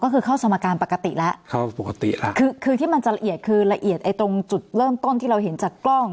ก็คือเข้าสมการปกติแล้วเข้าปกติแล้วคือคือที่มันจะละเอียดคือละเอียดไอ้ตรงจุดเริ่มต้นที่เราเห็นจากกล้อง